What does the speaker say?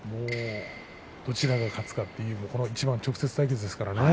どちらが勝つかというこの一番、直接対決ですからね。